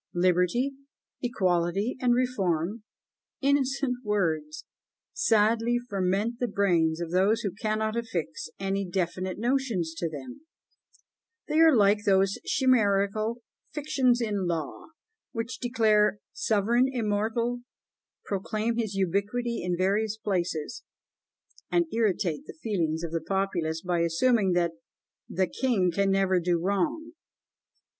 "Liberty," "Equality," and "Reform" (innocent words!) sadly ferment the brains of those who cannot affix any definite notions to them; they are like those chimerical fictions in law, which declare the "sovereign immortal, proclaim his ubiquity in various places," and irritate the feelings of the populace, by assuming that "the king can never do wrong!"